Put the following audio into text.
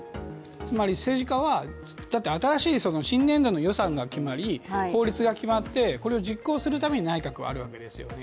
つまり政治家は、新年度の予算が決まり法律が決まって、これを実行するために内閣はあるわけですよね。